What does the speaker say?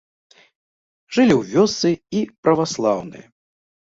Жылі ў вёсцы і праваслаўныя.